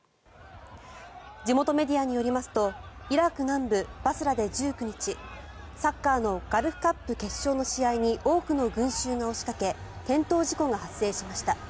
地元メディアによりますとイラク南部バスラで１９日サッカーのガルフカップ決勝の試合に多くの群衆が押しかけ転倒事故が発生しました。